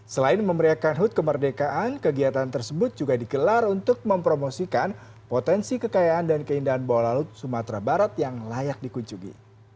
selain memeriakan hut kemerdekaan kegiatan tersebut juga digelar untuk mempromosikan potensi kekayaan dan keindahan bawah laut sumatera barat yang layak dikunjungi